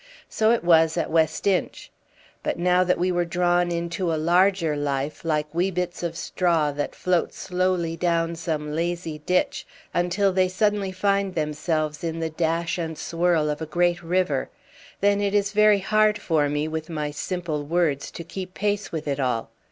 So it was at West Inch. But now that we were drawn into a larger life, like wee bits of straw that float slowly down some lazy ditch, until they suddenly find themselves in the dash and swirl of a great river; then it is very hard for me with my simple words to keep pace with it all.